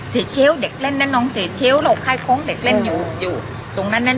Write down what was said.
สุดท้ายสุดท้ายสุดท้ายสุดท้าย